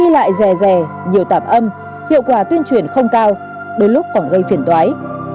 lại rè rè nhiều tạm âm hiệu quả tuyên truyền không cao đôi lúc còn gây phiền toái